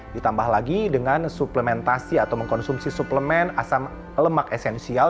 ditambah lagi dengan suplementasi atau mengkonsumsi suplemen asam lemak esensial